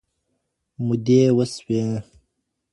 مودې وسوې